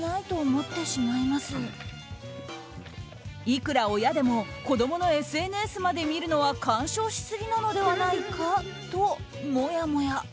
いくら親でも子供のＳＮＳまで見るのは干渉しすぎなのではないかともやもや。